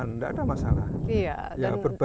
enggak ada masalah